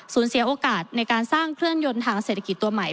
เสียโอกาสในการสร้างเครื่องยนต์ทางเศรษฐกิจตัวใหม่